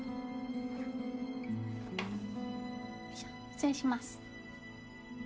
失礼します。